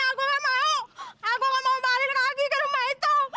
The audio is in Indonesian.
aku gak mau aku nggak mau balikin lagi ke rumah itu